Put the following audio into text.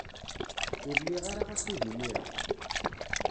Ur liɣ ara akud imir-a.